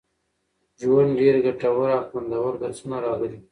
ژوند، ډېر ګټور او خوندور درسونه راغلي